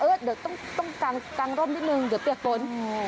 เดี๋ยวต้องกางร่มนิดนึงเดี๋ยวเปียกฝน